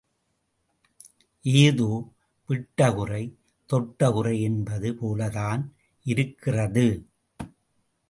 ஏதோ விட்டகுறை–தொட்டகுறை என்பது போலத் தான் இருக்கிறது.